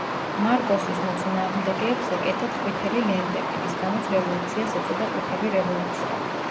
მარკოსის მოწინააღმდეგეებს ეკეთათ ყვითელი ლენტები, რის გამოც რევოლუციას ეწოდა ყვითელი რევოლუცია.